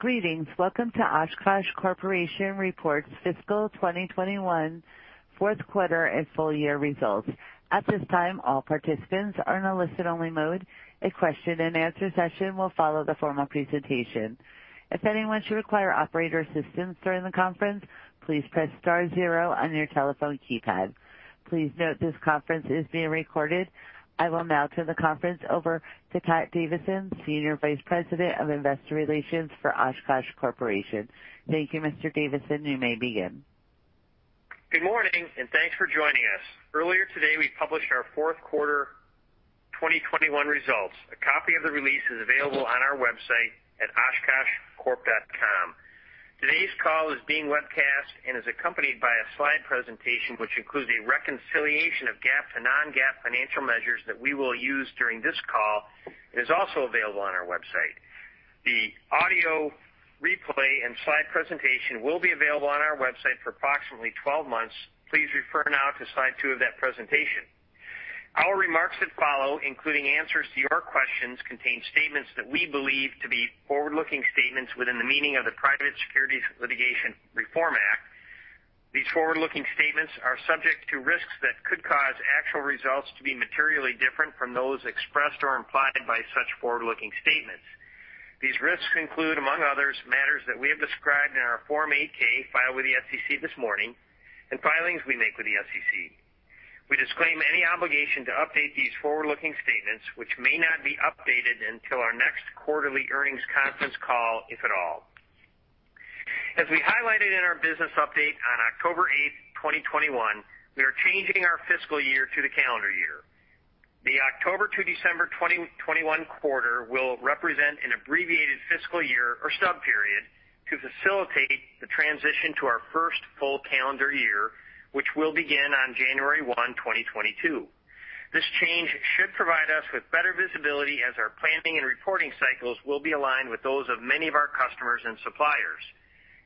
Greetings. Welcome to Oshkosh Corporation's Fiscal 2021 fourth quarter and full year results. At this time, all participants are in a listen-only mode. A question and answer session will follow the formal presentation. If anyone should require operator assistance during the conference, please press star zero on your telephone keypad. Please note this conference is being recorded. I will now turn the conference over to Patrick Davidson, Senior Vice President of Investor Relations for Oshkosh Corporation. Thank you, Mr. Davidson. You may begin. Good morning, and thanks for joining us. Earlier today, we published our fourth quarter 2021 results. A copy of the release is available on our website at oshkoshcorp.com. Today's call is being webcast and is accompanied by a slide presentation, which includes a reconciliation of GAAP to non-GAAP financial measures that we will use during this call and is also available on our website. The audio replay and slide presentation will be available on our website for approximately 12 months. Please refer now to slide two of that presentation. Our remarks that follow, including answers to your questions, contain statements that we believe to be forward-looking statements within the meaning of the Private Securities Litigation Reform Act. These forward-looking statements are subject to risks that could cause actual results to be materially different from those expressed or implied by such forward-looking statements. These risks include, among others, matters that we have described in our Form 8-K filed with the SEC this morning and filings we make with the SEC. We disclaim any obligation to update these forward-looking statements, which may not be updated until our next quarterly earnings conference call, if at all. As we highlighted in our business update on October 8, 2021, we are changing our fiscal year to the calendar year. The October to December 2021 quarter will represent an abbreviated fiscal year or sub-period to facilitate the transition to our first full calendar year, which will begin on January 1, 2022. This change should provide us with better visibility as our planning and reporting cycles will be aligned with those of many of our customers and suppliers.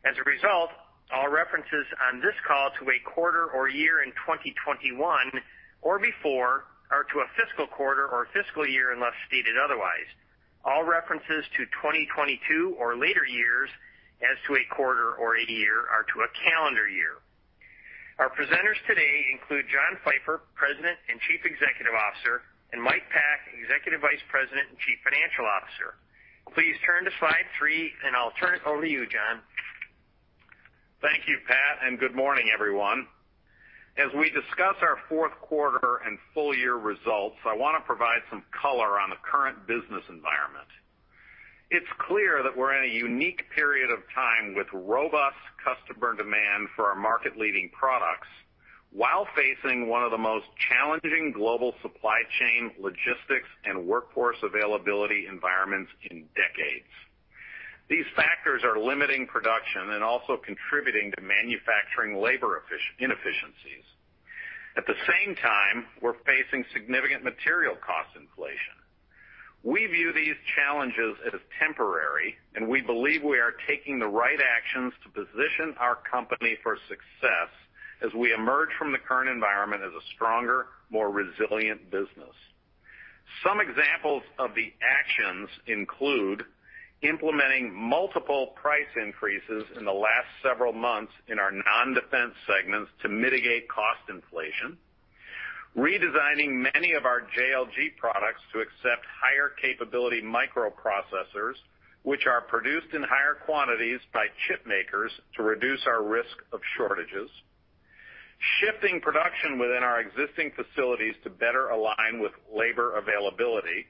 As a result, all references on this call to a quarter or year in 2021 or before are to a fiscal quarter or fiscal year, unless stated otherwise. All references to 2022 or later years as to a quarter or a year are to a calendar year. Our presenters today include John Pfeifer, President and Chief Executive Officer, and Mike Pack, Executive Vice President and Chief Financial Officer. Please turn to slide three, and I'll turn it over to you, John. Thank you, Pat, and good morning, everyone. As we discuss our fourth quarter and full year results, I want to provide some color on the current business environment. It's clear that we're in a unique period of time with robust customer demand for our market-leading products while facing one of the most challenging global supply chain logistics and workforce availability environments in decades. These factors are limiting production and also contributing to manufacturing labor inefficiencies. At the same time, we're facing significant material cost inflation. We view these challenges as temporary, and we believe we are taking the right actions to position our company for success as we emerge from the current environment as a stronger, more resilient business. Some examples of the actions include implementing multiple price increases in the last several months in our non-defense segments to mitigate cost inflation, redesigning many of our JLG products to accept higher capability microprocessors which are produced in higher quantities by chip makers to reduce our risk of shortages, shifting production within our existing facilities to better align with labor availability,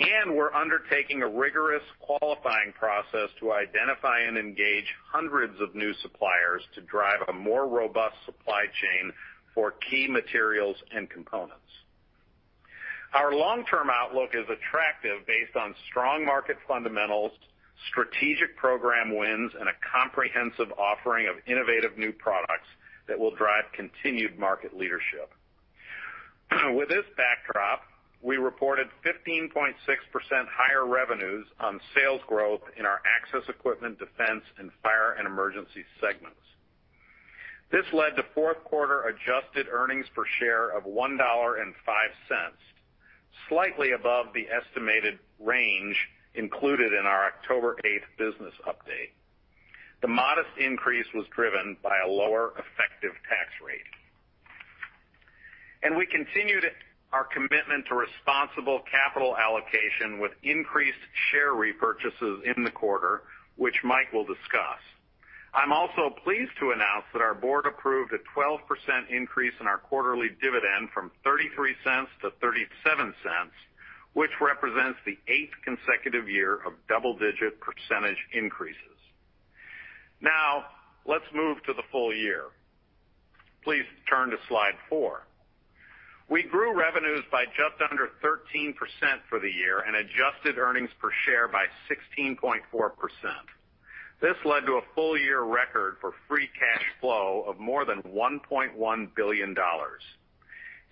and we're undertaking a rigorous qualifying process to identify and engage hundreds of new suppliers to drive a more robust supply chain for key materials and components. Our long-term outlook is attractive based on strong market fundamentals, strategic program wins, and a comprehensive offering of innovative new products that will drive continued market leadership. With this backdrop, we reported 15.6% higher revenues on sales growth in our Access Equipment, Defense, and Fire & Emergency segments. This led to fourth quarter adjusted earnings per share of $1.05, slightly above the estimated range included in our October 8 business update. The modest increase was driven by a lower effective tax rate. We continued our commitment to responsible capital allocation with increased share repurchases in the quarter, which Mike will discuss. I'm also pleased to announce that our board approved a 12% increase in our quarterly dividend from $0.33 to $0.37, which represents the eighth consecutive year of double-digit percentage increases. Now, let's move to the full year. Please turn to slide four. We grew revenues by just under 13% for the year and adjusted earnings per share by 16.4%. This led to a full year record for free cash flow of more than $1.1 billion.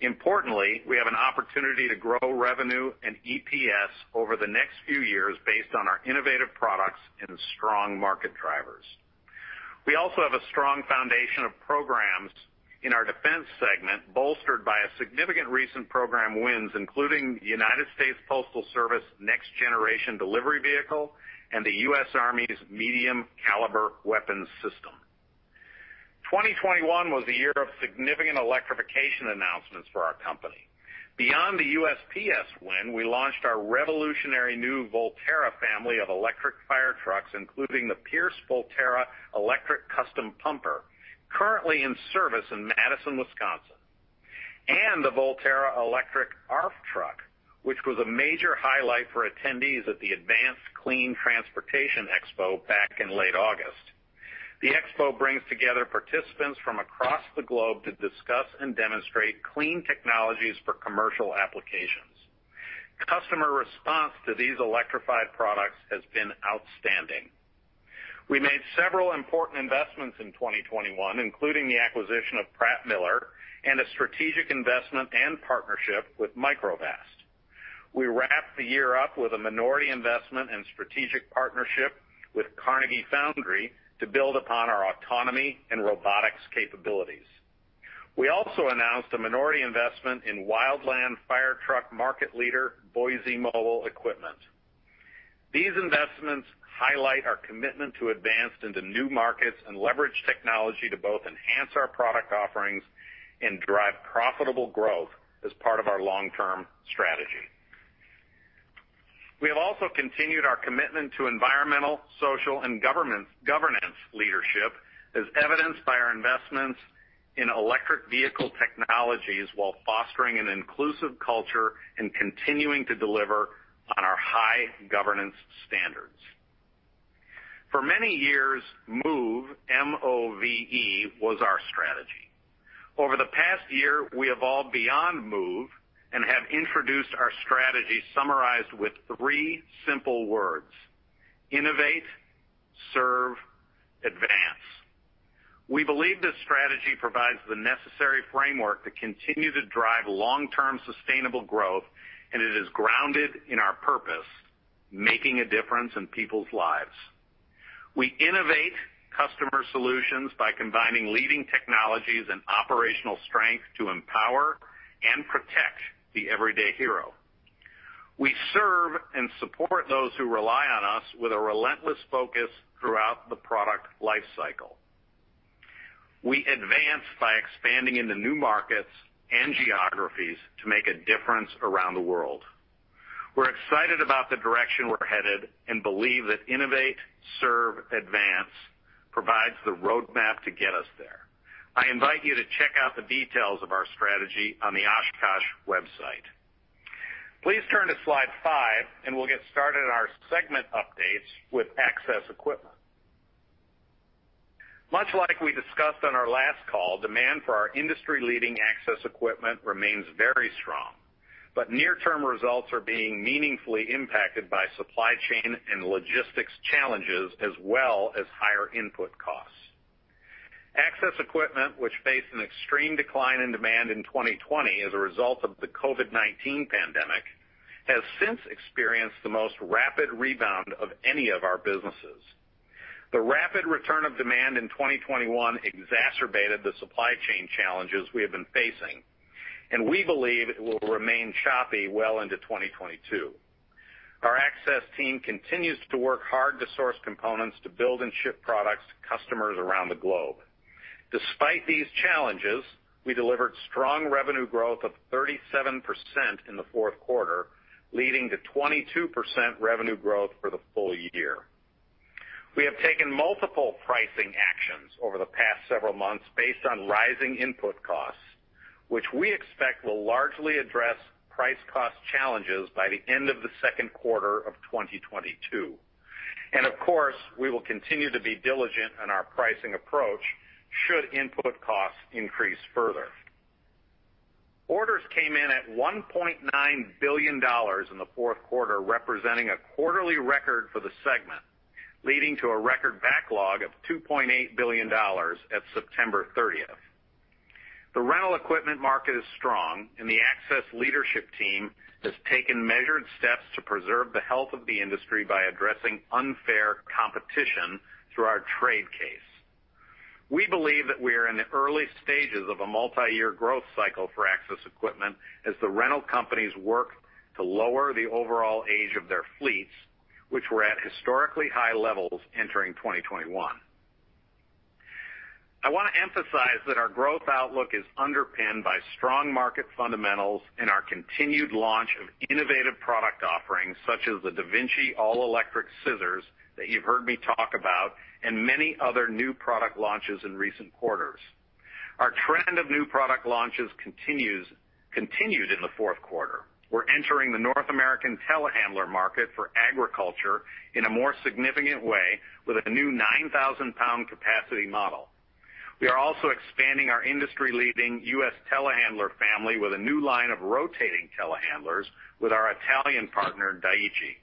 Importantly, we have an opportunity to grow revenue and EPS over the next few years based on our innovative products and strong market drivers. We also have a strong foundation of programs in our Defense segment, bolstered by a significant recent program wins, including the United States Postal Service Next Generation Delivery Vehicle and the U.S. Army's Medium Caliber Weapon System. 2021 was the year of significant electrification announcements for our company. Beyond the USPS win, we launched our revolutionary new Volterra family of electric fire trucks, including the Pierce Volterra electric custom pumper, currently in service in Madison, Wisconsin, and the Volterra Electric ARFF Truck, which was a major highlight for attendees at the Advanced Clean Transportation Expo back in late August. The Expo brings together participants from across the globe to discuss and demonstrate clean technologies for commercial applications. Customer response to these electrified products has been outstanding. We made several important investments in 2021, including the acquisition of Pratt Miller and a strategic investment and partnership with Microvast. We wrapped the year up with a minority investment and strategic partnership with Carnegie Foundry to build upon our autonomy and robotics capabilities. We also announced a minority investment in wildland fire truck market leader, Boise Mobile Equipment. These investments highlight our commitment to advance into new markets and leverage technology to both enhance our product offerings and drive profitable growth as part of our long-term strategy. We have also continued our commitment to environmental, social, and governance leadership, as evidenced by our investments in electric vehicle technologies while fostering an inclusive culture and continuing to deliver on our high governance standards. For many years, MOVE, M-O-V-E, was our strategy. Over the past year, we evolved beyond MOVE and have introduced our strategy summarized with three simple words: Innovate. Serve. Advance. We believe this strategy provides the necessary framework to continue to drive long-term sustainable growth, and it is grounded in our purpose, making a difference in people's lives. We innovate customer solutions by combining leading technologies and operational strength to empower and protect the everyday hero. We serve and support those who rely on us with a relentless focus throughout the product life cycle. We advance by expanding into new markets and geographies to make a difference around the world. We're excited about the direction we're headed and believe that Innovate. Serve. Advance provides the roadmap to get us there. I invite you to check out the details of our strategy on the Oshkosh website. Please turn to slide five, and we'll get started on our segment updates with Access Equipment. Much like we discussed on our last call, demand for our industry-leading Access Equipment remains very strong, but near-term results are being meaningfully impacted by supply chain and logistics challenges, as well as higher input costs. Access Equipment, which faced an extreme decline in demand in 2020 as a result of the COVID-19 pandemic, has since experienced the most rapid rebound of any of our businesses. The rapid return of demand in 2021 exacerbated the supply chain challenges we have been facing, and we believe it will remain choppy well into 2022. Our Access Team continues to work hard to source components to build and ship products to customers around the globe. Despite these challenges, we delivered strong revenue growth of 37% in the fourth quarter, leading to 22% revenue growth for the full year. We have taken multiple pricing actions over the past several months based on rising input costs, which we expect will largely address price cost challenges by the end of the second quarter of 2022. Of course, we will continue to be diligent in our pricing approach should input costs increase further. Orders came in at $1.9 billion in the fourth quarter, representing a quarterly record for the segment, leading to a record backlog of $2.8 billion at September 30th. The rental equipment market is strong and the access leadership team has taken measured steps to preserve the health of the industry by addressing unfair competition through our trade case. We believe that we are in the early stages of a multiyear growth cycle for access equipment as the rental companies work to lower the overall age of their fleets, which were at historically high levels entering 2021. I want to emphasize that our growth outlook is underpinned by strong market fundamentals and our continued launch of innovative product offerings, such as the DaVinci All-Electric Scissor that you've heard me talk about and many other new product launches in recent quarters. Our trend of new product launches continued in the fourth quarter. We're entering the North American telehandler market for agriculture in a more significant way with a new 9,000-pound capacity model. We are also expanding our industry-leading U.S. telehandler family with a new line of rotating telehandlers with our Italian partner, Dieci.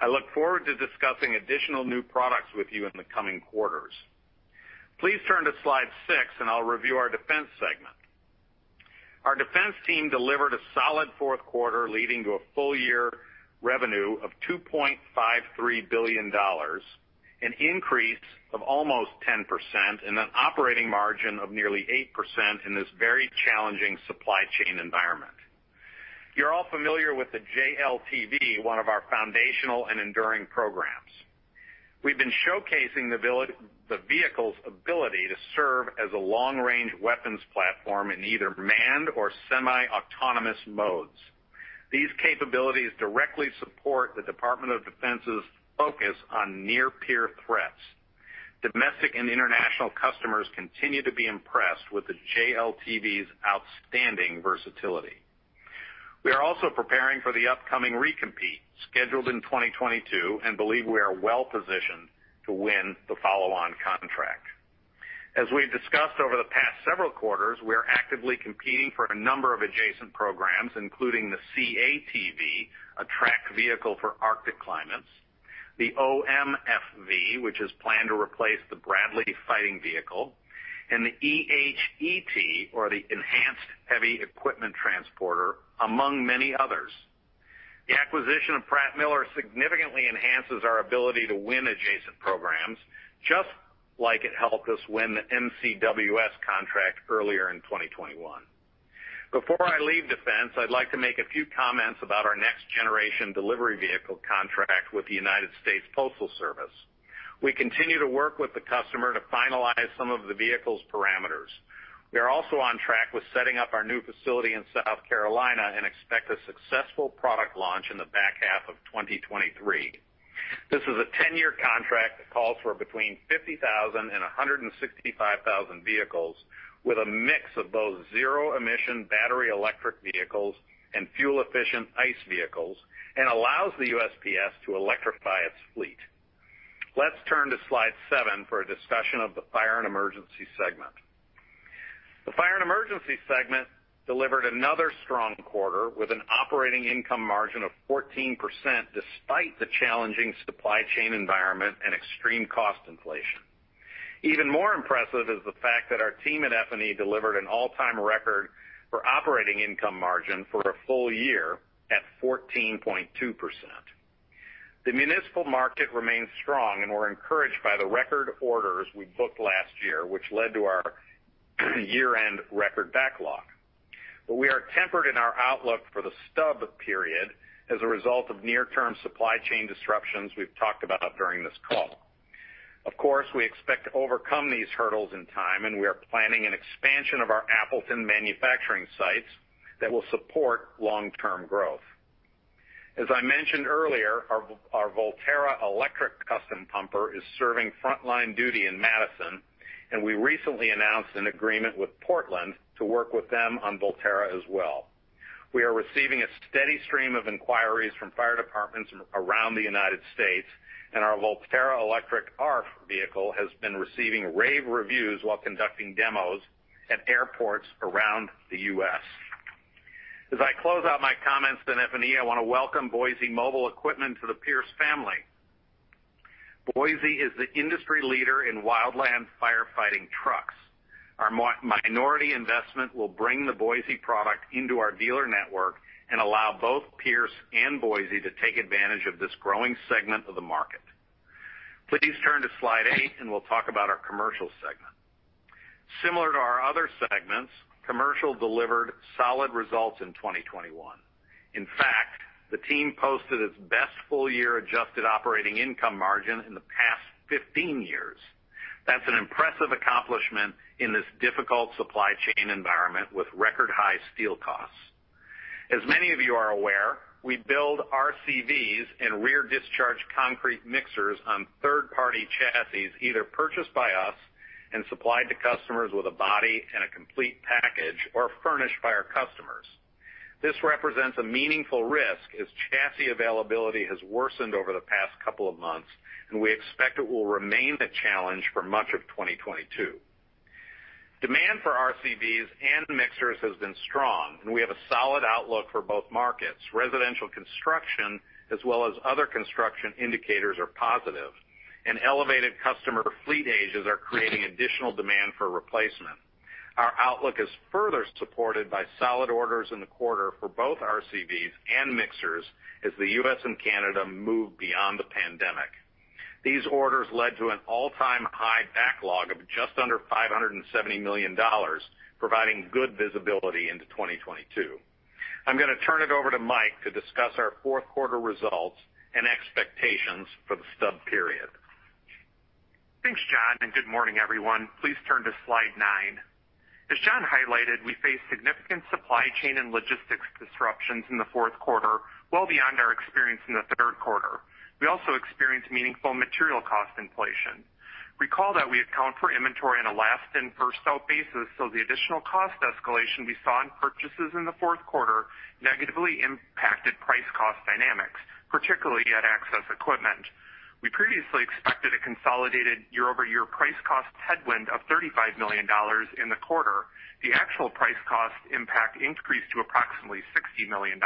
I look forward to discussing additional new products with you in the coming quarters. Please turn to slide six, and I'll review our Defense segment. Our Defense Team delivered a solid fourth quarter leading to a full year revenue of $2.53 billion, an increase of almost 10% and an operating margin of nearly 8% in this very challenging supply chain environment. You're all familiar with the JLTV, one of our foundational and enduring programs. We've been showcasing the vehicle's ability to serve as a long-range weapons platform in either manned or semi-autonomous modes. These capabilities directly support the Department of Defense's focus on near peer threats. Domestic and international customers continue to be impressed with the JLTV's outstanding versatility. We are also preparing for the upcoming recompete, scheduled in 2022, and believe we are well positioned to win the follow-on contract. As we've discussed over the past several quarters, we are actively competing for a number of adjacent programs, including the CATV, a track vehicle for Arctic climates, the OMFV, which is planned to replace the Bradley Fighting Vehicle, and the EHET, or the Enhanced Heavy Equipment Transporter, among many others. The acquisition of Pratt Miller significantly enhances our ability to win adjacent programs, just like it helped us win the MCWS contract earlier in 2021. Before I leave defense, I'd like to make a few comments about our Next Generation Delivery Vehicle contract with the United States Postal Service. We continue to work with the customer to finalize some of the vehicle's parameters. We are also on track with setting up our new facility in South Carolina and expect a successful product launch in the back half of 2023. This is a 10-year contract that calls for between 50,000 and 165,000 vehicles with a mix of both zero emission battery electric vehicles and fuel efficient ICE vehicles, and allows the USPS to electrify its fleet. Let's turn to slide seven for a discussion of the Fire & Emergency segment. The Fire & Emergency segment delivered another strong quarter with an operating income margin of 14% despite the challenging supply chain environment and extreme cost inflation. Even more impressive is the fact that our team at F&E delivered an all-time record for operating income margin for a full year at 14.2%. The municipal market remains strong, and we're encouraged by the record orders we booked last year, which led to our year-end record backlog. We are tempered in our outlook for the stub period as a result of near-term supply chain disruptions we've talked about during this call. Of course, we expect to overcome these hurdles in time, and we are planning an expansion of our Appleton manufacturing sites that will support long-term growth. As I mentioned earlier, our Volterra electric custom pumper is serving frontline duty in Madison, and we recently announced an agreement with Portland to work with them on Volterra as well. We are receiving a steady stream of inquiries from fire departments around the United States, and our Volterra Electric ARFF vehicle has been receiving rave reviews while conducting demos at airports around the U.S. As I close out my comments on F&E, I want to welcome Boise Mobile Equipment to the Pierce family. Boise is the industry leader in wildland firefighting trucks. Our minority investment will bring the Boise product into our dealer network and allow both Pierce and Boise to take advantage of this growing segment of the market. Please turn to slide eight, and we'll talk about our Commercial segment. Similar to our other segments, Commercial delivered solid results in 2021. In fact, the team posted its best full year adjusted operating income margin in the past 15 years. That's an impressive accomplishment in this difficult supply chain environment with record high steel costs. As many of you are aware, we build RCVs and rear discharge concrete mixers on third-party chassis, either purchased by us and supplied to customers with a body and a complete package or furnished by our customers. This represents a meaningful risk as chassis availability has worsened over the past couple of months, and we expect it will remain a challenge for much of 2022. Demand for RCVs and mixers has been strong, and we have a solid outlook for both markets. Residential construction, as well as other construction indicators are positive, and elevated customer fleet ages are creating additional demand for replacement. Our outlook is further supported by solid orders in the quarter for both RCVs and mixers as the U.S. and Canada move beyond the pandemic. These orders led to an all-time high backlog of just under $570 million, providing good visibility into 2022. I'm going to turn it over to Mike to discuss our fourth quarter results and expectations for the stub period. Thanks, John, and good morning, everyone. Please turn to slide nine. As John highlighted, we faced significant supply chain and logistics disruptions in the fourth quarter, well beyond our experience in the third quarter. We also experienced meaningful material cost inflation. Recall that we account for inventory on a last in, first out basis, so the additional cost escalation we saw in purchases in the fourth quarter negatively impacted price cost dynamics, particularly at Access Equipment. We previously expected a consolidated year-over-year price cost headwind of $35 million in the quarter. The actual price cost impact increased to approximately $60 million.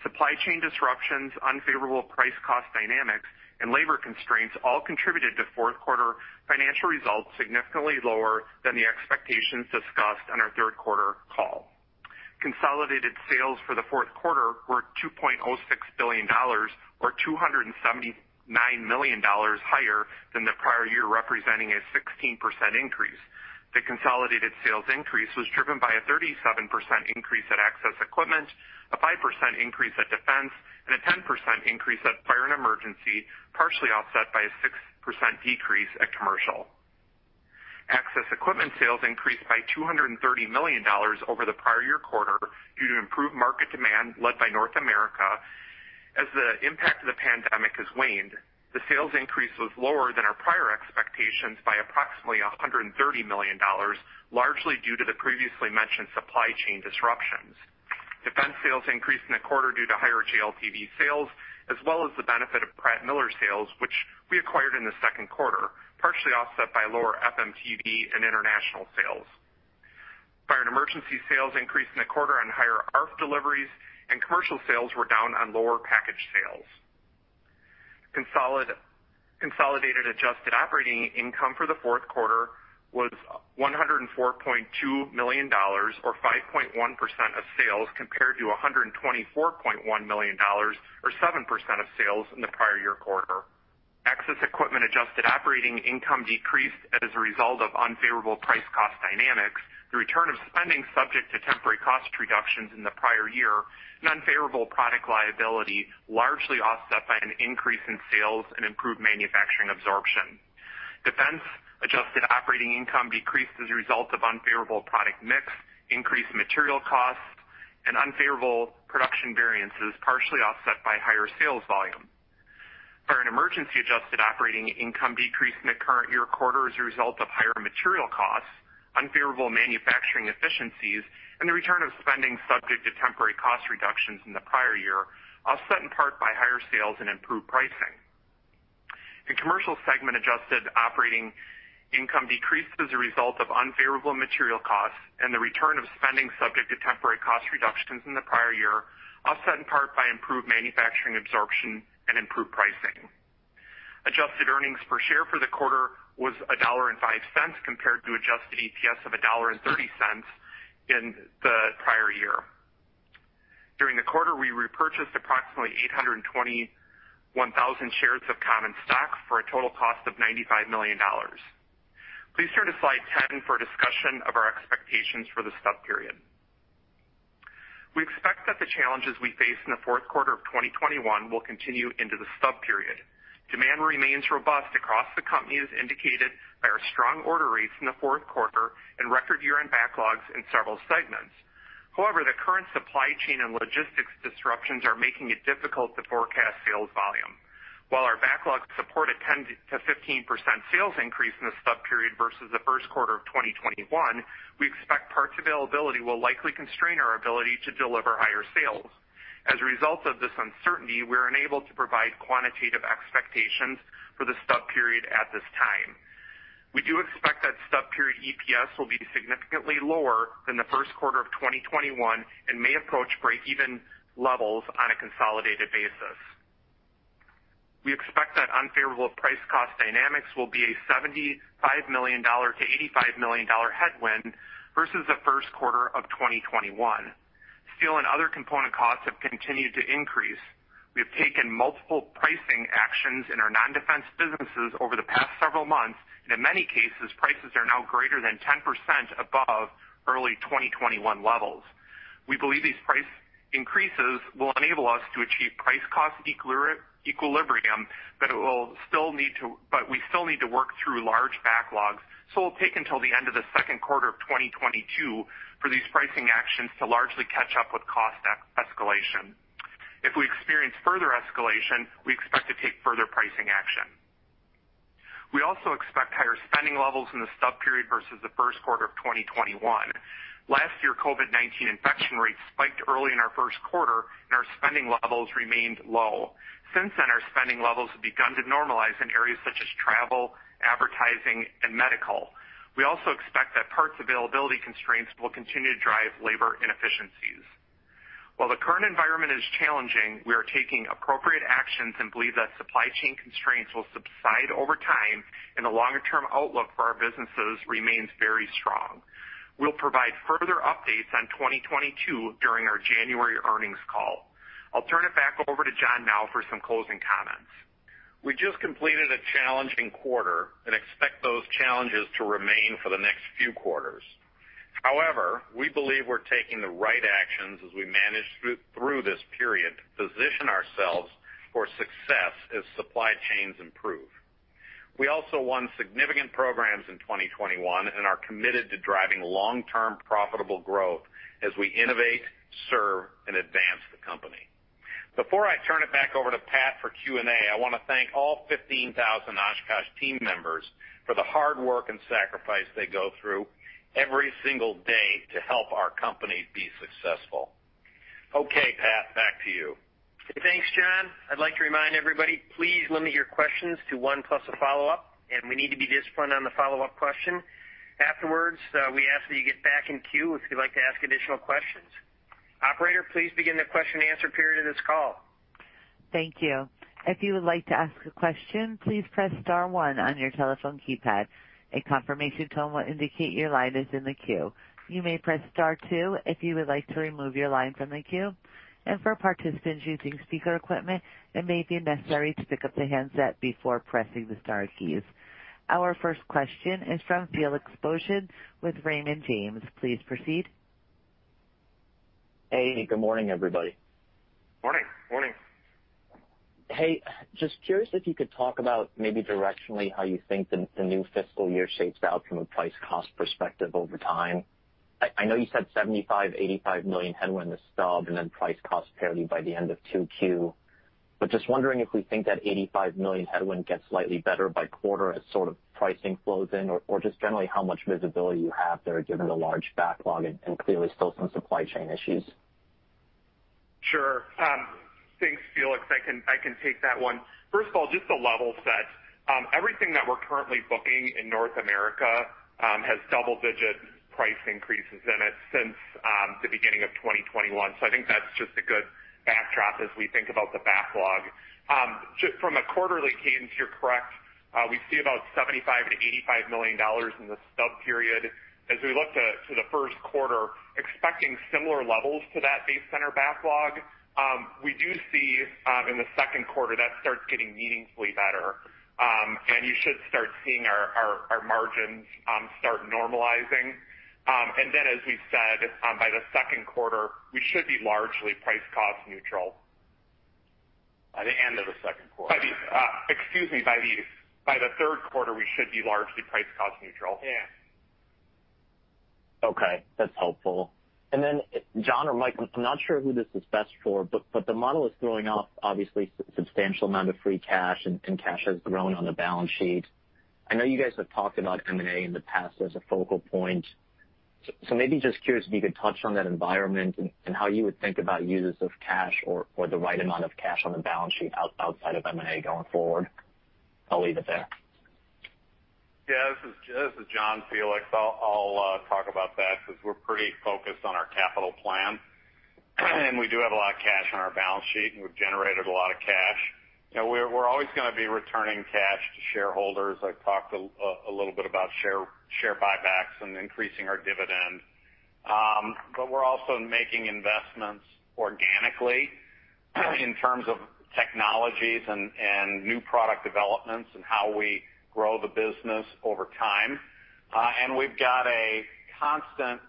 Supply chain disruptions, unfavorable price cost dynamics, and labor constraints all contributed to fourth quarter financial results significantly lower than the expectations discussed on our third quarter call. Consolidated sales for the fourth quarter were $2.06 billion or $279 million higher than the prior year, representing a 16% increase. The consolidated sales increase was driven by a 37% increase at Access Equipment, a 5% increase at Defense, and a 10% increase at Fire & Emergency, partially offset by a 6% decrease at Commercial. Access Equipment sales increased by $230 million over the prior year quarter due to improved market demand led by North America. As the impact of the pandemic has waned, the sales increase was lower than our prior expectations by approximately $130 million, largely due to the previously mentioned supply chain disruptions. Defense sales increased in the quarter due to higher JLTV sales as well as the benefit of Pratt Miller sales, which we acquired in the second quarter, partially offset by lower FMTV and international sales. Fire & Emergency sales increased in the quarter on higher ARFF deliveries, and Commercial sales were down on lower package sales. Consolidated adjusted operating income for the fourth quarter was $104.2 million or 5.1% of sales, compared to $124.1 million or 7% of sales in the prior year quarter. Access Equipment adjusted operating income decreased as a result of unfavorable price cost dynamics, the return of spending subject to temporary cost reductions in the prior year, and unfavorable product liability, largely offset by an increase in sales and improved manufacturing absorption. Defense adjusted operating income decreased as a result of unfavorable product mix, increased material costs, and unfavorable production variances, partially offset by higher sales volume. Fire & Emergency adjusted operating income decreased in the current year quarter as a result of higher material costs, unfavorable manufacturing efficiencies, and the return of spending subject to temporary cost reductions in the prior year, offset in part by higher sales and improved pricing. The Commercial segment adjusted operating income decreased as a result of unfavorable material costs and the return of spending subject to temporary cost reductions in the prior year, offset in part by improved manufacturing absorption and improved pricing. Adjusted earnings per share for the quarter was $1.05, compared to adjusted EPS of $1.30 in the prior year. During the quarter, we repurchased approximately 821,000 shares of common stock for a total cost of $95 million. Please turn to slide 10 for a discussion of our expectations for the stub period. We expect that the challenges we face in the fourth quarter of 2021 will continue into the stub period. Demand remains robust across the company, as indicated by our strong order rates in the fourth quarter and record year-end backlogs in several segments. However, the current supply chain and logistics disruptions are making it difficult to forecast sales volume. While our backlogs support a 10%-15% sales increase in the stub period versus the first quarter of 2021, we expect parts availability will likely constrain our ability to deliver higher sales. As a result of this uncertainty, we're unable to provide quantitative expectations for the stub period at this time. We do expect that stub period EPS will be significantly lower than the first quarter of 2021 and may approach break-even levels on a consolidated basis. We expect that unfavorable price cost dynamics will be a $75 million-$85 million headwind versus the first quarter of 2021. Steel and other component costs have continued to increase. We have taken multiple pricing actions in our non-defense businesses over the past several months, and in many cases, prices are now greater than 10% above early 2021 levels. We believe these price increases will enable us to achieve price cost equilibrium, but we still need to work through large backlogs, so it'll take until the end of the second quarter of 2022 for these pricing actions to largely catch up with cost escalation. If we experience further escalation, we expect to take further pricing action. We also expect higher spending levels in the stub period versus the first quarter of 2021. Last year, COVID-19 infection rates spiked early in our first quarter, and our spending levels remained low. Since then, our spending levels have begun to normalize in areas such as travel, advertising, and medical. We also expect that parts availability constraints will continue to drive labor inefficiencies. While the current environment is challenging, we are taking appropriate actions and believe that supply chain constraints will subside over time, and the longer term outlook for our businesses remains very strong. We'll provide further updates on 2022 during our January earnings call. I'll turn it back over to John now for some closing comments. We just completed a challenging quarter and expect those challenges to remain for the next few quarters. However, we believe we're taking the right actions as we manage through this period to position ourselves for success as supply chains improve. We also won significant programs in 2021 and are committed to driving long-term profitable growth as we innovate, serve, and advance the company. Before I turn it back over to Pat for Q&A, I want to thank all 15,000 Oshkosh team members for the hard work and sacrifice they go through every single day to help our company be successful. Okay, Pat, back to you. Thanks, John. I'd like to remind everybody, please limit your questions to one plus a follow-up, and we need to be disciplined on the follow-up question. Afterwards, we ask that you get back in queue if you'd like to ask additional questions. Operator, please begin the question and answer period of this call. Thank you. If you would like to ask a question, please press star one on your telephone keypad. A confirmation tone will indicate your line is in the queue. You may press star two if you would like to remove your line from the queue. For participants using speaker equipment, it may be necessary to pick up the handset before pressing the star keys. Our first question is from Felix Boeschen with Raymond James. Please proceed. Hey, good morning, everybody. Morning. Morning. Hey, just curious if you could talk about maybe directionally how you think the new fiscal year shapes out from a price cost perspective over time. I know you said $75 million-$85 million headwind this stub and then price cost parity by the end of 2Q. Just wondering if we think that $85 million headwind gets slightly better by quarter as sort of pricing flows in or just generally how much visibility you have there given the large backlog and clearly still some supply chain issues. Sure. Thanks, Felix. I can take that one. First of all, just to level set, everything that we're currently booking in North America has double-digit price increases in it since the beginning of 2021. I think that's just a good backdrop as we think about the backlog. From a quarterly cadence, you're correct. We see about $75 million-$85 million in the stub period. As we look to the first quarter, expecting similar levels to that base center backlog. We do see in the second quarter that starts getting meaningfully better. You should start seeing our margins start normalizing. Then as we've said, by the second quarter, we should be largely price-cost neutral. By the end of the second quarter. Excuse meBy the third quarter, we should be largely price-cost neutral. Yeah. Okay, that's helpful. John or Mike, I'm not sure who this is best for, but the model is throwing off obviously substantial amount of free cash and cash has grown on the balance sheet. I know you guys have talked about M&A in the past as a focal point. Maybe just curious if you could touch on that environment and how you would think about uses of cash or the right amount of cash on the balance sheet outside of M&A going forward. I'll leave it there. Yeah, this is John, Felix. I'll talk about that 'cause we're pretty focused on our capital plan, and we do have a lot of cash on our balance sheet, and we've generated a lot of cash. You know, we're always gonna be returning cash to shareholders. I've talked a little bit about share buybacks and increasing our dividend. But we're also making investments organically in terms of technologies and new product developments and how we grow the business over time. And we've got a constant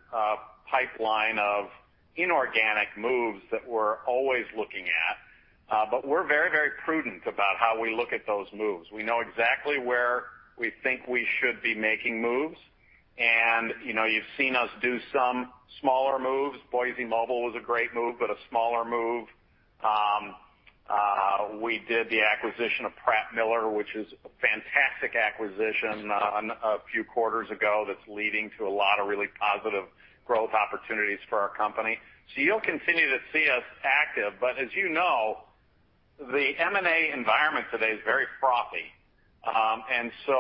pipeline of inorganic moves that we're always looking at. But we're very, very prudent about how we look at those moves. We know exactly where we think we should be making moves. You know, you've seen us do some smaller moves. Boise Mobile was a great move, but a smaller move. We did the acquisition of Pratt Miller, which is a fantastic acquisition, a few quarters ago that's leading to a lot of really positive growth opportunities for our company. You'll continue to see us active. As you know, the M&A environment today is very frothy.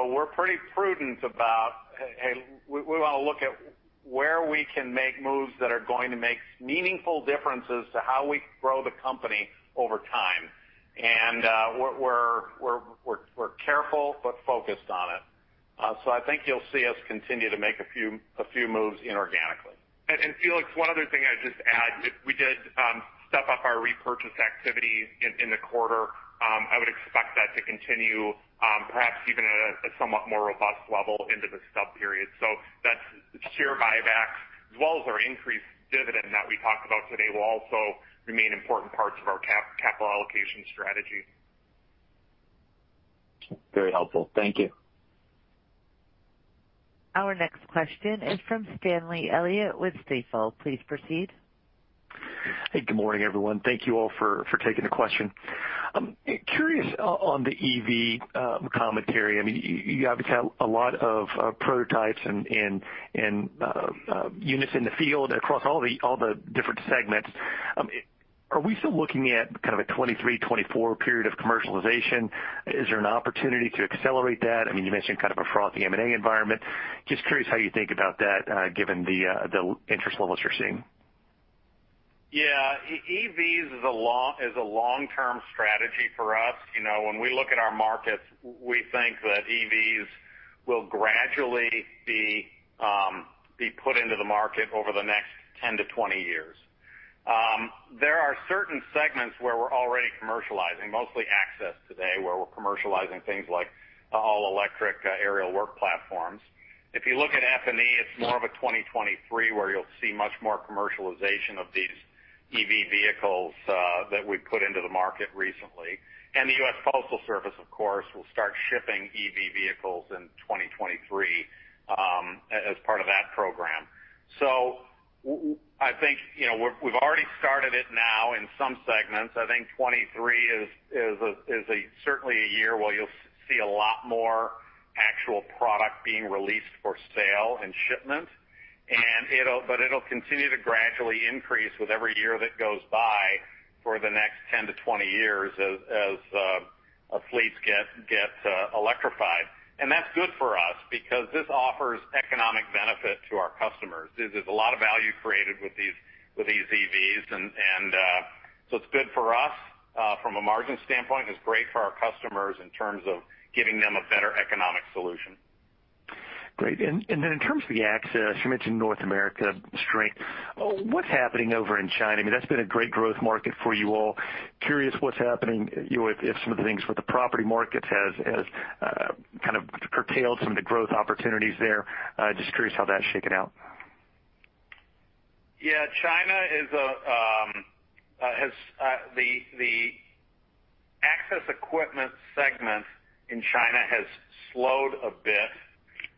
We're pretty prudent about where we wanna look at where we can make moves that are going to make meaningful differences to how we grow the company over time. We're careful but focused on it. I think you'll see us continue to make a few moves inorganically. And Felix, one other thing I'd just add, we did step up our repurchase activity in the quarter. I would expect that to continue, perhaps even at a somewhat more robust level into the stub period. That's share buybacks as well as our increased dividend that we talked about today will also remain important parts of our capital allocation strategy. Very helpful. Thank you. Our next question is from Stanley Elliott with Stifel. Please proceed. Hey, good morning, everyone. Thank you all for taking the question. Curious on the EV commentary. I mean, you obviously have a lot of prototypes and units in the field across all the different segments. Are we still looking at kind of a 2023-2024 period of commercialization? Is there an opportunity to accelerate that? I mean, you mentioned kind of a frothy M&A environment. Just curious how you think about that, given the interest levels you're seeing. Yeah, EVs is a long-term strategy for us. You know, when we look at our markets, we think that EVs will gradually be put into the market over the next 10 to 20 years. There are certain segments where we're already commercializing, mostly access today, where we're commercializing things like all-electric aerial work platforms. If you look at F&E, it's more of a 2023, where you'll see much more commercialization of these EV vehicles that we've put into the market recently. The U.S. Postal Service, of course, will start shipping EV vehicles in 2023 as part of that program. I think, you know, we've already started it now in some segments. I think 2023 is certainly a year where you'll see a lot more actual product being released for sale and shipment. It'll continue to gradually increase with every year that goes by for the next 10 to 20 years as fleets get electrified. That's good for us because this offers economic benefit to our customers. There's a lot of value created with these EVs and so it's good for us from a margin standpoint. It's great for our customers in terms of giving them a better economic solution. Great. Then in terms of the access, you mentioned North America strength. What's happening over in China? I mean, that's been a great growth market for you all. Curious what's happening. You know, if some of the things with the property markets has kind of curtailed some of the growth opportunities there. Just curious how that's shaken out. Yeah, China is—the Access Equipment segment in China has slowed a bit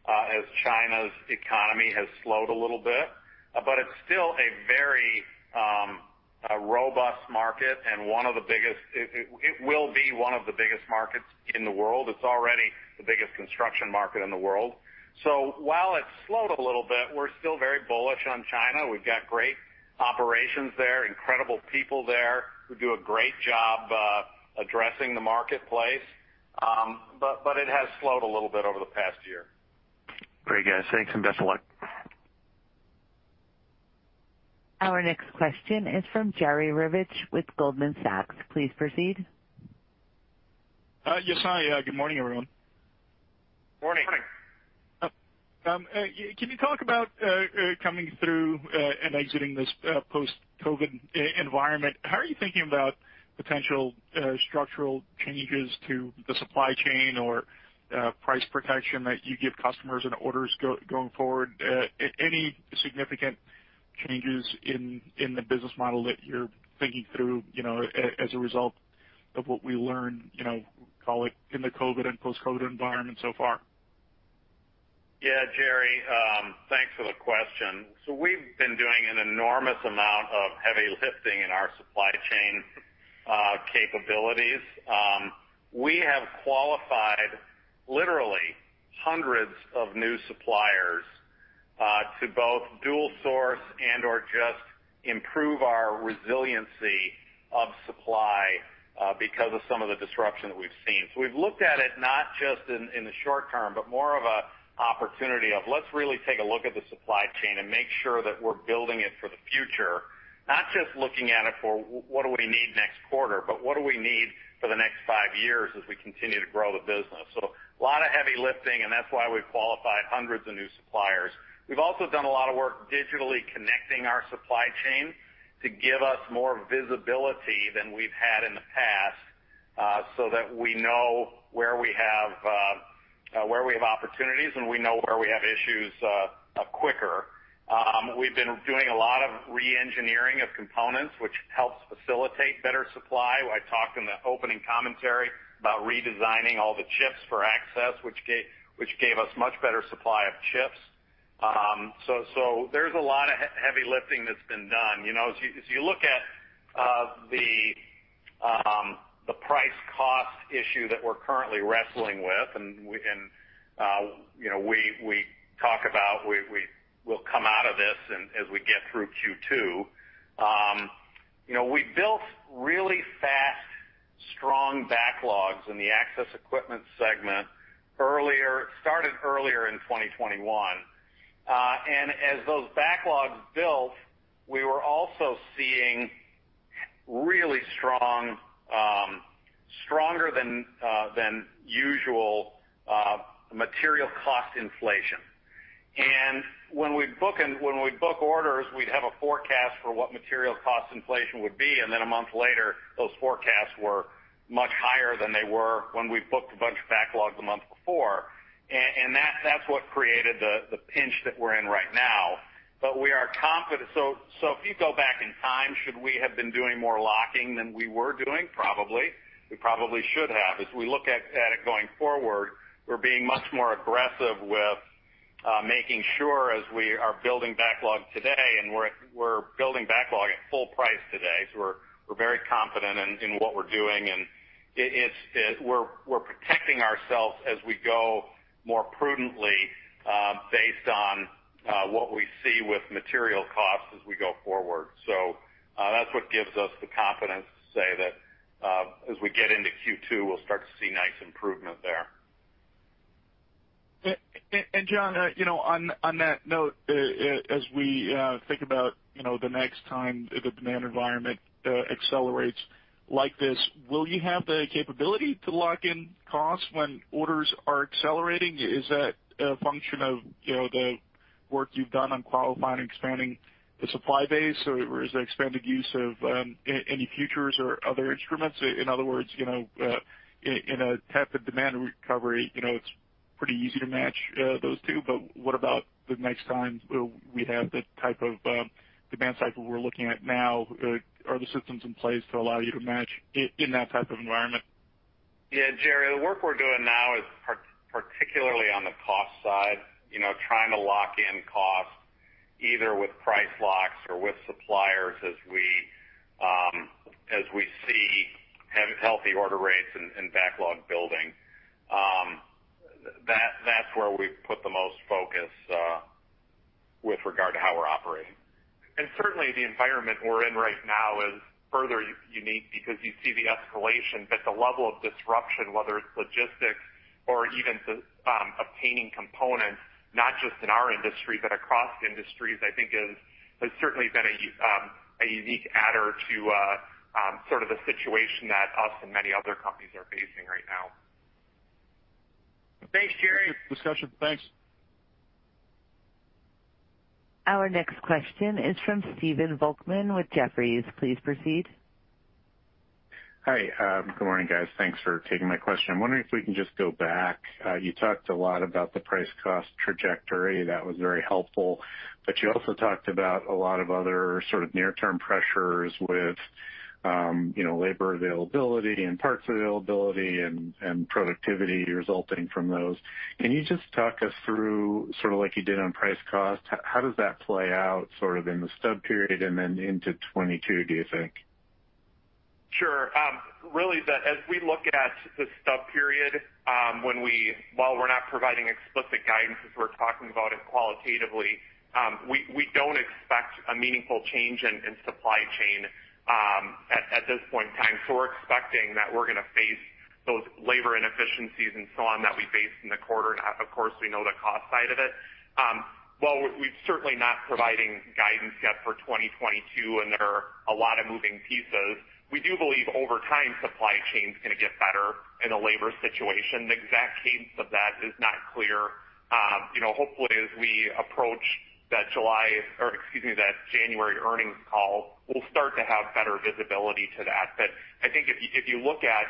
as China's economy has slowed a little bit. It's still a very robust market and one of the biggest. It will be one of the biggest markets in the world. It's already the biggest construction market in the world. While it's slowed a little bit, we're still very bullish on China. We've got great operations there, incredible people there who do a great job addressing the marketplace. It has slowed a little bit over the past year. Very good. Thanks, and best of luck. Our next question is from Jerry Revich with Goldman Sachs. Please proceed. Yes, hi. Good morning, everyone. Morning. Morning. Can you talk about coming through and exiting this post-COVID environment? How are you thinking about potential structural changes to the supply chain or price protection that you give customers and orders going forward? Any significant changes in the business model that you're thinking through, you know, as a result of what we learned, you know, call it in the COVID and post-COVID environment so far? Yeah, Jerry, thanks for the question. We've been doing an enormous amount of heavy lifting in our supply chain capabilities. We have qualified literally hundreds of new suppliers to both dual source and or just improve our resiliency of supply because of some of the disruption that we've seen. We've looked at it not just in the short term, but more of an opportunity of let's really take a look at the supply chain and make sure that we're building it for the future. Not just looking at it for what do we need next quarter, but what do we need for the next five years as we continue to grow the business. A lot of heavy lifting, and that's why we've qualified hundreds of new suppliers. We've also done a lot of work digitally connecting our supply chain to give us more visibility than we've had in the past, so that we know where we have opportunities and we know where we have issues quicker. We've been doing a lot of reengineering of components, which helps facilitate better supply. I talked in the opening commentary about redesigning all the chips for access, which gave us much better supply of chips. There's a lot of heavy lifting that's been done. You know, as you look at the price cost issue that we're currently wrestling with, and you know, we talk about we'll come out of this and as we get through Q2. You know, we built really fast, strong backlogs in the Access Equipment segment started earlier in 2021. As those backlogs built, we were also seeing really strong—stronger than usual material cost inflation. When we book orders, we'd have a forecast for what material cost inflation would be, and then a month later, those forecasts were much higher than they were when we booked a bunch of backlogs the month before. That's what created the pinch that we're in right now. We are confident. If you go back in time, should we have been doing more locking than we were doing? Probably. We probably should have. As we look at it going forward, we're being much more aggressive with making sure as we are building backlog today, and we're building backlog at full price today. We're very confident in what we're doing. We're protecting ourselves as we go more prudently, based on what we see with material costs as we go forward. That's what gives us the confidence to say that, as we get into Q2, we'll start to see nice improvement there. John, you know, on that note, as we think about the next time the demand environment accelerates like this, will you have the capability to lock in costs when orders are accelerating? Is that a function of, you know, the work you've done on qualifying and expanding the supply base, or is there expanded use of any futures or other instruments? In other words, you know, in a type of demand recovery, you know, it's pretty easy to match those two. But what about the next time we have the type of demand cycle we're looking at now? Are the systems in place to allow you to match it in that type of environment? Yeah, Jerry, the work we're doing now is particularly on the cost side. You know, trying to lock in costs either with price locks or with suppliers as we see and healthy order rates and backlog building. That's where we've put the most focus with regard to how we're operating. Certainly, the environment we're in right now is further unique because you see the escalation, but the level of disruption, whether it's logistics or even the obtaining components, not just in our industry, but across industries, I think has certainly been a unique adder to sort of the situation that we and many other companies are facing right now. Thanks, Jerry. Good discussion. Thanks. Our next question is from Stephen Volkmann with Jefferies. Please proceed. Hi. Good morning, guys. Thanks for taking my question. I'm wondering if we can just go back. You talked a lot about the price cost trajectory. That was very helpful. You also talked about a lot of other sort of near-term pressures with, you know, labor availability and parts availability and productivity resulting from those. Can you just talk us through sort of like you did on price cost, how does that play out sort of in the stub period and then into 2022, do you think? Sure. As we look at the stub period, while we're not providing explicit guidance, as we're talking about it qualitatively, we don't expect a meaningful change in supply chain at this point in time. So we're expecting that we're gonna face those labor inefficiencies and so on that we faced in the quarter. Now, of course, we know the cost side of it. While we're certainly not providing guidance yet for 2022, and there are a lot of moving pieces, we do believe over time, supply chain's gonna get better in a labor situation. The exact cadence of that is not clear. You know, hopefully, as we approach that July, or excuse me, that January earnings call, we'll start to have better visibility to that. I think if you look at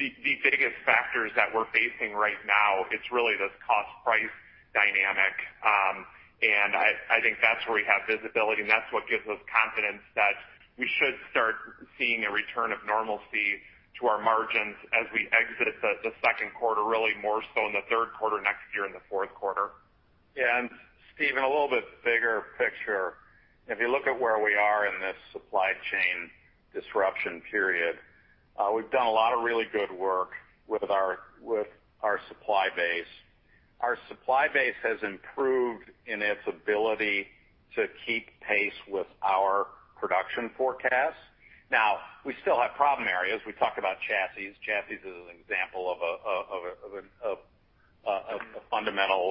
the biggest factors that we're facing right now, it's really this cost-price dynamic. I think that's where we have visibility, and that's what gives us confidence that we should start seeing a return of normalcy to our margins as we exit the second quarter, really more so in the third quarter next year and the fourth quarter. Yeah, Stephen, a little bit bigger picture. If you look at where we are in this supply chain disruption period, we've done a lot of really good work with our supply base. Our supply base has improved in its ability to keep pace with our production forecast. Now, we still have problem areas. We talked about chassis. Chassis is an example of a fundamental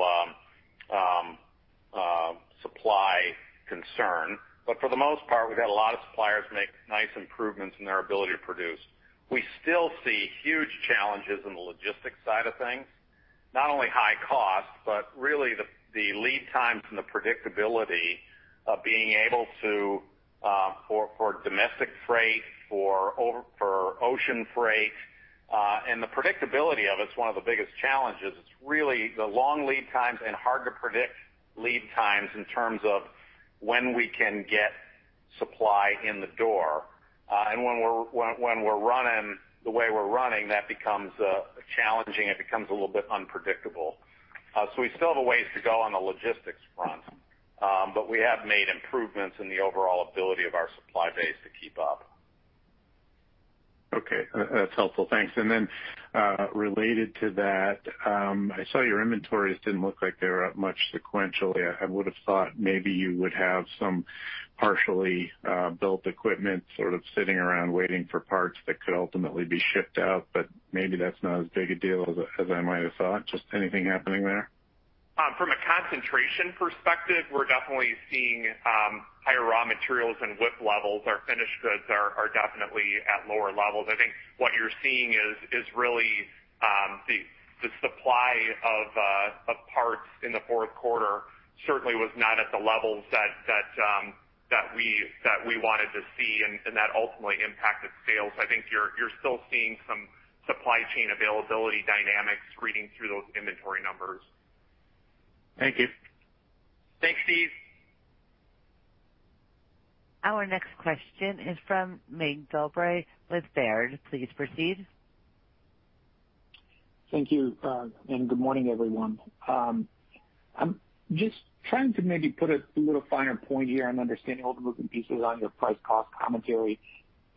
supply concern. But for the most part, we've had a lot of suppliers make nice improvements in their ability to produce. We still see huge challenges in the logistics side of things, not only high cost, but really the lead times and the predictability of being able to for domestic freight, for ocean freight, and the predictability of it's one of the biggest challenges. It's really the long lead times and hard to predict lead times in terms of when we can get supply in the door. When we're running the way we're running, that becomes challenging. It becomes a little bit unpredictable. We still have a ways to go on the logistics front, but we have made improvements in the overall ability of our supply base to keep up. Okay. That's helpful. Thanks. Related to that, I saw your inventories didn't look like they were up much sequentially. I would have thought maybe you would have some partially built equipment sort of sitting around waiting for parts that could ultimately be shipped out, but maybe that's not as big a deal as I might have thought. Just anything happening there? From a concentration perspective, we're definitely seeing higher raw materials and WIP levels. Our finished goods are definitely at lower levels. I think what you're seeing is really the supply of parts in the fourth quarter certainly was not at the levels that we wanted to see, and that ultimately impacted sales. I think you're still seeing some supply chain availability dynamics reading through those inventory numbers. Thank you. Thanks, Steve. Our next question is from Mig Dobre with Baird. Please proceed. Thank you and good morning, everyone. I'm just trying to maybe put a little finer point here on understanding all the moving pieces on your price cost commentary.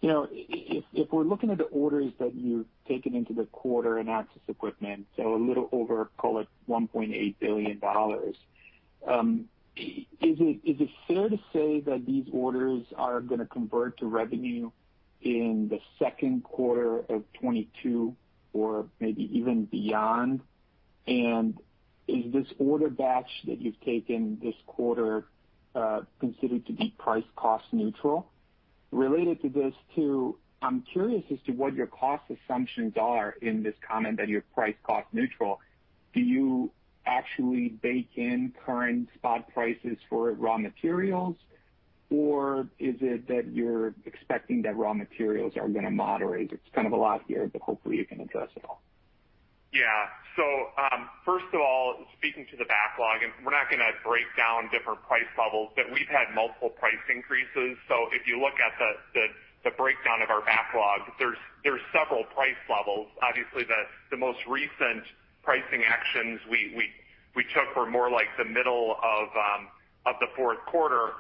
You know, if we're looking at the orders that you've taken into the quarter in Access Equipment, so a little over, call it $1.8 billion, is it fair to say that these orders are gonna convert to revenue in the second quarter of 2022 or maybe even beyond? Is this order batch that you've taken this quarter considered to be price cost neutral? Related to this, too, I'm curious as to what your cost assumptions are in this comment that you're price cost neutral. Do you actually bake in current spot prices for raw materials, or is it that you're expecting that raw materials are gonna moderate? It's kind of a lot here, but hopefully, you can address it all. Yeah. First of all, speaking to the backlog, and we're not gonna break down different price levels, but we've had multiple price increases. If you look at the breakdown of our backlog, there's several price levels. Obviously, the most recent pricing actions we took were more like the middle of the fourth quarter,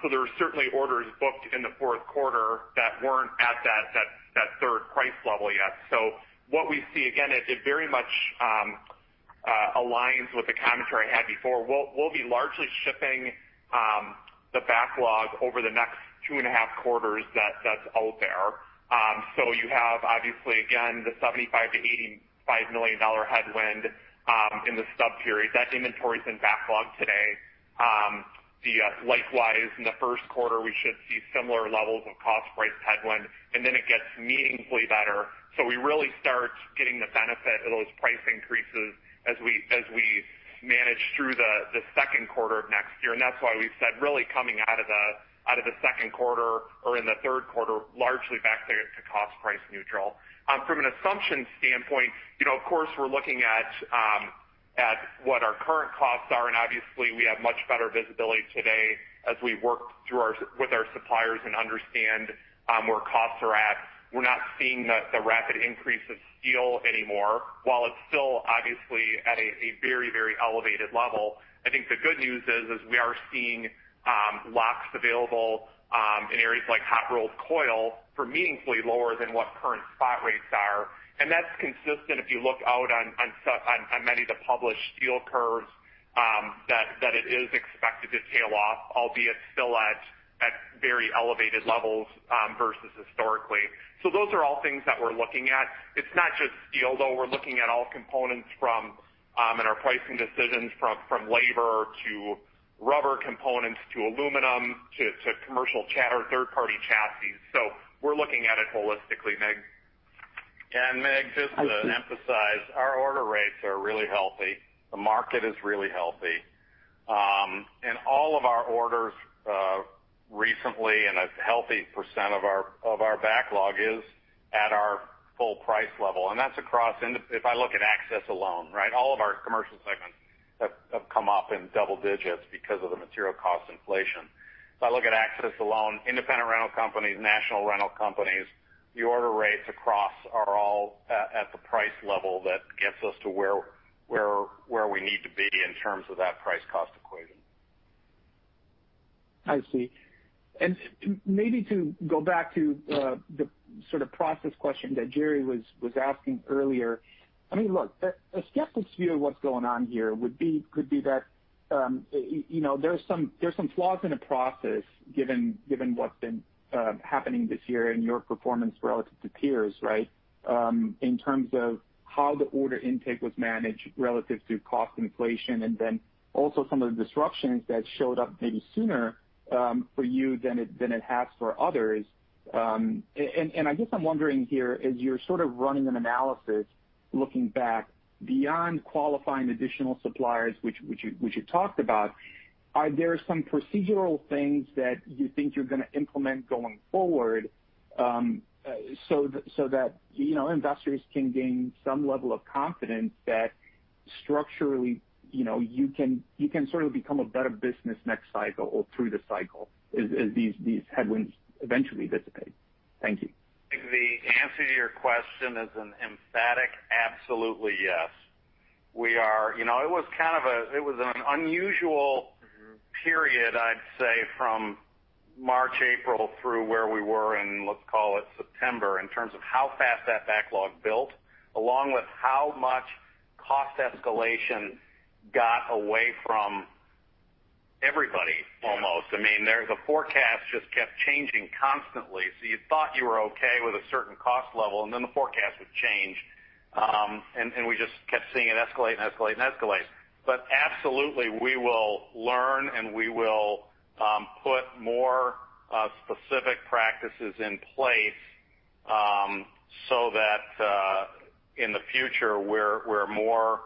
so there were certainly orders booked in the fourth quarter that weren't at that third price level yet. What we see, again, it very much aligns with the commentary I had before. We'll be largely shipping the backlog over the next two and a half quarters that's out there. You have obviously, again, the $75 million-$85 million headwind in the sub period. That inventory's in backlog today. Likewise, in the first quarter, we should see similar levels of cost price headwind, and then it gets meaningfully better. We really start getting the benefit of those price increases as we manage through the second quarter of next year. That's why we've said, really coming out of the second quarter or in the third quarter, largely back to cost price neutral. From an assumption standpoint, you know, of course, we're looking at what our current costs are. Obviously, we have much better visibility today as we work with our suppliers and understand where costs are at. We're not seeing the rapid increase of steel anymore. While it's still obviously at a very elevated level, I think the good news is we are seeing locks available in areas like hot rolled coil for meaningfully lower than what current spot rates are. That's consistent, if you look out on many of the published steel curves, that it is expected to tail off, albeit still at very elevated levels, versus historically. Those are all things that we're looking at. It's not just steel, though. We're looking at all components in our pricing decisions from labor to rubber components to aluminum to commercial or third-party chassis. We're looking at it holistically, Mig. Yeah Mig, just to emphasize, our order rates are really healthy. The market is really healthy. All of our orders recently and a healthy percent of our backlog is at our full price level. That's across if I look at Access alone, right? All of our Commercial segments have come up in double digits because of the material cost inflation. If I look at Access alone, independent rental companies, national rental companies, the order rates across are all at the price level that gets us to where we need to be in terms of that price cost equation. I see. Maybe to go back to the sort of process question that Jerry was asking earlier. I mean, look, a skeptic's view of what's going on here could be that you know, there's some flaws in the process given what's been happening this year and your performance relative to peers, right? In terms of how the order intake was managed relative to cost inflation and then also some of the disruptions that showed up maybe sooner for you than it has for others. I guess I'm wondering here, as you're sort of running an analysis looking back beyond qualifying additional suppliers, which you talked about, are there some procedural things that you think you're gonna implement going forward, so that you know, investors can gain some level of confidence that structurally, you know, you can sort of become a better business next cycle or through the cycle as these headwinds eventually dissipate? Thank you. I think the answer to your question is an emphatic absolutely yes. We are—it was kind of a, you know, it was an unusual period, I'd say, from March, April through where we were in, let's call it September, in terms of how fast that backlog built, along with how much cost escalation got away from everybody almost. I mean, the forecast just kept changing constantly. You thought you were okay with a certain cost level, and then the forecast would change. And we just kept seeing it escalate. Absolutely, we will learn, and we will put more specific practices in place, so that in the future, we're more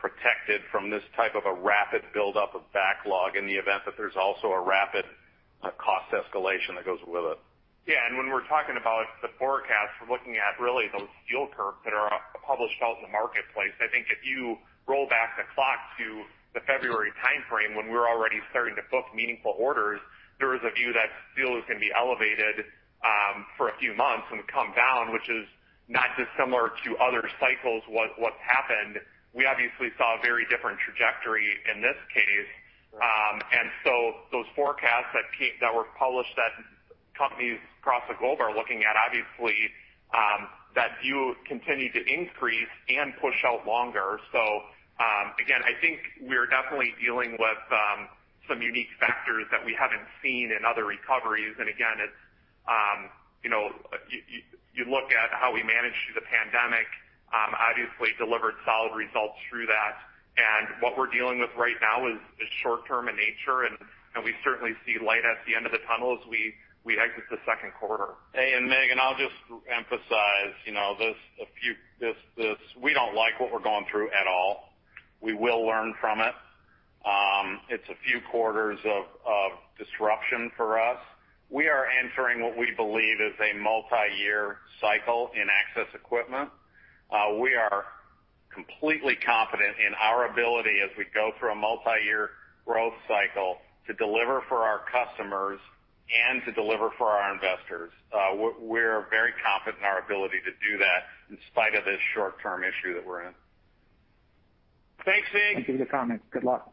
protected from this type of a rapid buildup of backlog in the event that there's also a rapid cost escalation that goes with it. Yeah. When we're talking about the forecast, we're looking at really those steel curves that are published out in the marketplace. I think if you roll back the clock to the February timeframe when we're already starting to book meaningful orders, there is a view that steel is gonna be elevated for a few months and come down, which is not dissimilar to other cycles what's happened. We obviously saw a very different trajectory in this case. Those forecasts that were published that companies across the globe are looking at, obviously, that view continued to increase and push out longer. So again, I think we're definitely dealing with some unique factors that we haven't seen in other recoveries. Again, it's, you know, you look at how we managed through the pandemic, obviously delivered solid results through that. What we're dealing with right now is short term in nature, and we certainly see light at the end of the tunnel as we exit the second quarter. Hey, Mig. I'll just emphasize, you know, we don't like what we're going through at all. We will learn from it. It's a few quarters of disruption for us. We are entering what we believe is a multi-year cycle in Access Equipment. We are completely confident in our ability as we go through a multi-year growth cycle to deliver for our customers and to deliver for our investors. We're very confident in our ability to do that in spite of this short-term issue that we're in. Thanks, Mig. Thank you for the comment. Good luck.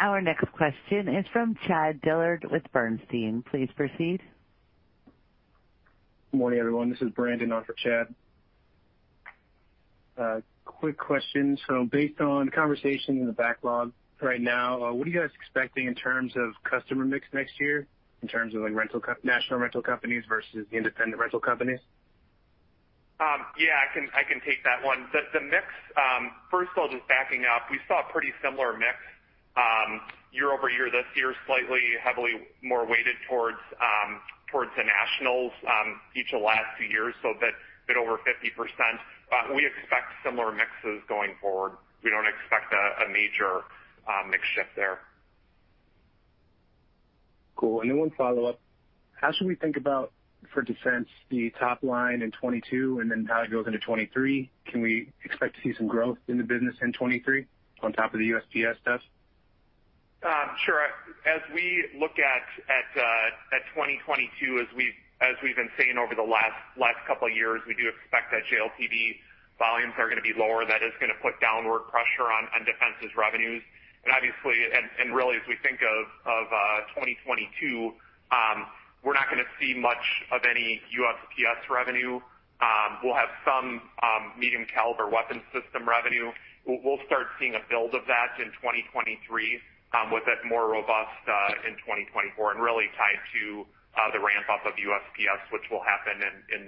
Our next question is from Chad Dillard with Bernstein. Please proceed. Good morning, everyone. This is Brandon on for Chad. Quick question. Based on conversation in the backlog right now, what are you guys expecting in terms of customer mix next year in terms of like national rental companies versus the independent rental companies? Yeah, I can take that one. The mix, first of all, just backing up, we saw a pretty similar mix year-over-year this year, slightly more heavily weighted towards the nationals each of the last few years, so that's a bit over 50%. We expect similar mixes going forward. We don't expect a major mix shift there. Cool. One follow-up. How should we think about, for Defense, the top line in 2022 and then how it goes into 2023? Can we expect to see some growth in the business in 2023 on top of the USPS stuff? Sure. As we look at 2022, as we've been saying over the last couple of years, we do expect that JLTV volumes are gonna be lower. That is gonna put downward pressure on Defense's revenues. Obviously, really as we think of 2022, we're not gonna see much of any USPS revenue. We'll have some Medium Caliber Weapon System revenue. We'll start seeing a build of that in 2023, with it more robust in 2024 and really tied to the ramp-up of USPS, which will happen in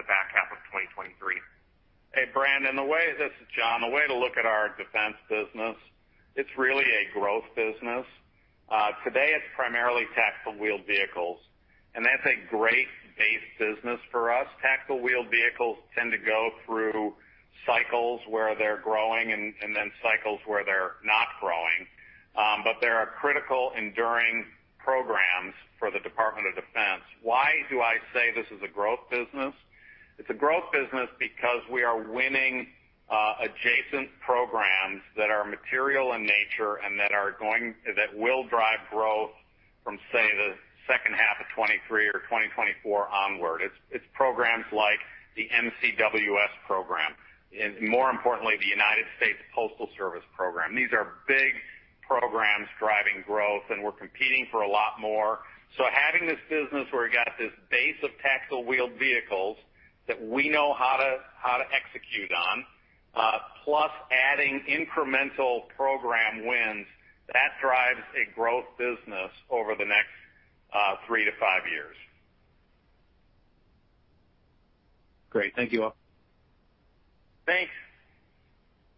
the back half of 2023. Hey, Brandon. This is John. The way to look at our Defense business, it's really a growth business. Today, it's primarily tactical wheeled vehicles, and that's a great base business for us. Tactical wheeled vehicles tend to go through cycles where they're growing and then cycles where they're not growing. But there are critical enduring programs for the Department of Defense. Why do I say this is a growth business? It's a growth business because we are winning adjacent programs that are material in nature and that will drive growth from, say, the second half of 2023 or 2024 onward. It's programs like the MCWS program and more importantly, the United States Postal Service program. These are big programs driving growth, and we're competing for a lot more. Having this business where we got this base of tactical wheeled vehicles that we know how to execute on, plus adding incremental program wins, that drives a growth business over the next three to five years. Great. Thank you all. Thanks.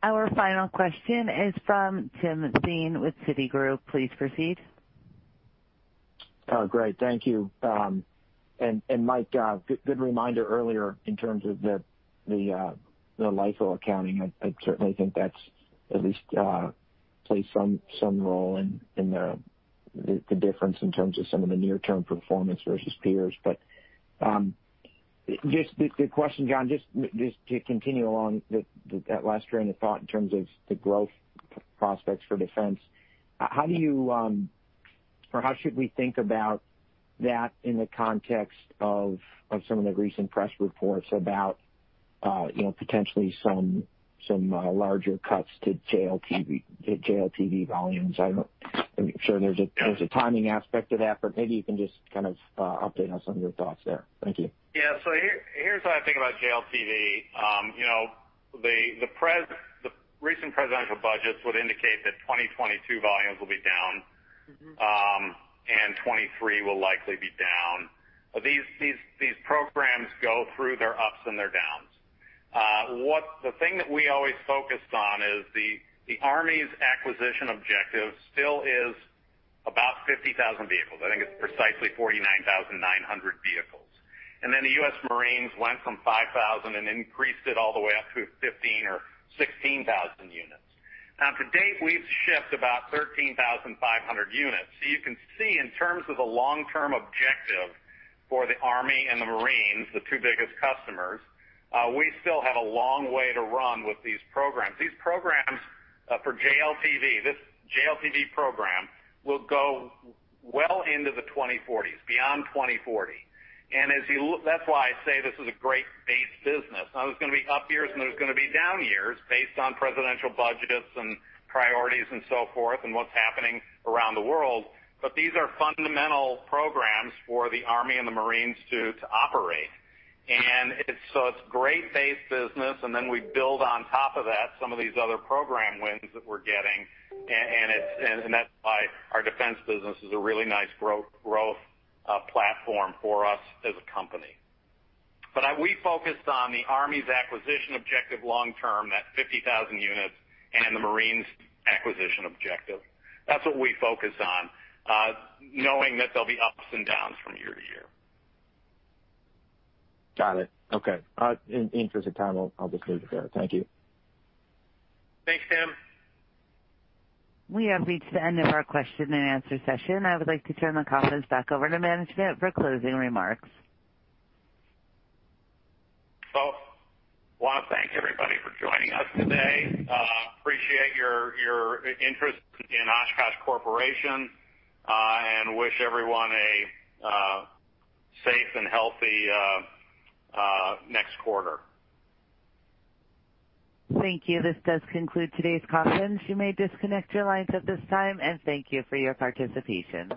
Our final question is from Tim Thein with Citigroup. Please proceed. Oh, great. Thank you. Mike, good reminder earlier in terms of the LIFO accounting. I certainly think that's at least plays some role in the difference in terms of some of the near term performance versus peers. Just the question, John, just to continue along that last train of thought in terms of the growth prospects for Defense, how do you or how should we think about that in the context of some of the recent press reports about you know, potentially some larger cuts to JLTV volumes? I'm sure there's a timing aspect to that, but maybe you can just kind of update us on your thoughts there. Thank you. Here, here's how I think about JLTV. You know, the recent presidential budgets would indicate that 2022 volumes will be down and 2023 will likely be down. These programs go through their ups and downs. The thing that we always focus on is the U.S. Army's acquisition objective still is about 50,000 vehicles. I think it's precisely 49,900 vehicles. The U.S. Marines went from 5,000 and increased it all the way up to 15,000 or 16,000 units. Now, to date, we've shipped about 13,500 units. You can see in terms of the long-term objective for the U.S. Army and the U.S. Marines, the two biggest customers, we still have a long way to run with these programs. These programs for JLTV, this JLTV program will go well into the 2040s, beyond 2040. That's why I say this is a great base business. Now, there's gonna be up years, and there's gonna be down years based on presidential budgets and priorities and so forth and what's happening around the world. These are fundamental programs for the Army and the Marines to operate. It's great base business, and then we build on top of that some of these other program wins that we're getting. That's why our Defense business is a really nice growth platform for us as a company. We focused on the Army's acquisition objective long term, that 50,000 units, and the Marines acquisition objective. That's what we focus on, knowing that there'll be ups and downs from year to year. Got it. Okay. In the interest of time, I'll just leave it there. Thank you. Thanks, Tim. We have reached the end of our question and answer session. I would like to turn the conference back over to management for closing remarks. Want to thank everybody for joining us today. Appreciate your interest in Oshkosh Corporation, and wish everyone a safe and healthy next quarter. Thank you. This does conclude today's conference. You may disconnect your lines at this time, and thank you for your participation.